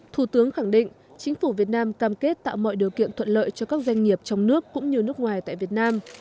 thủ tướng khẳng định chính phủ việt nam cam kết tạo mọi điều kiện thuận lợi cho các doanh nghiệp trong nước cũng như nước ngoài tại việt nam